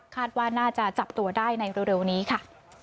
ว่าน่าจะจับตัวได้ในเร็วนี้ค่ะ